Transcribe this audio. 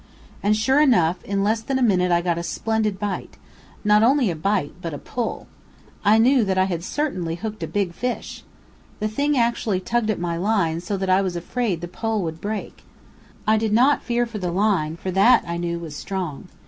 And, sure enough, in less than a minute I got a splendid bite, not only a bite, but a pull. I knew that I had certainly hooked a big fish! The thing actually tugged at my line so that I was afraid the pole would break. I did not fear for the line, for that, I knew, was strong.